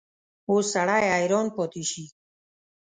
اوس سړی حیران پاتې شي.